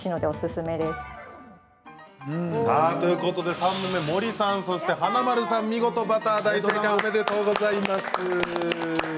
３問目、森さんそして華丸さん、見事バター大正解、おめでとうございます。